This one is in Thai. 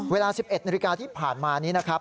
เวลา๑๑นาฬิกาที่ผ่านมานี้นะครับ